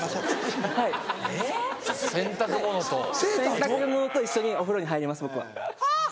洗濯物と一緒にお風呂に入ります僕は。ハァ！